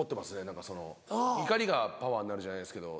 何か「怒りがパワーになる」じゃないですけど。